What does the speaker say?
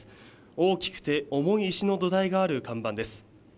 大きくて重い石の土台がある看板です。